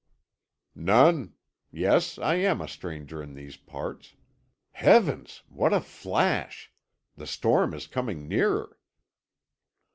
"None. Yes, I am a stranger in these parts. Heavens! what a flash! The storm is coming nearer."